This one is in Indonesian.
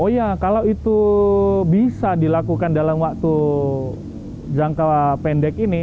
oh iya kalau itu bisa dilakukan dalam waktu jangka pendek ini